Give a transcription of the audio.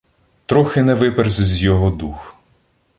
Трохи не виперсь з його дух.